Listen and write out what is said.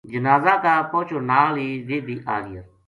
جنازا کا پوہچن نال ہی ویہ بھی آ گیا۔